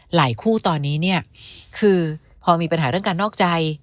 คู่ตอนนี้เนี่ยคือพอมีปัญหาเรื่องการนอกใจ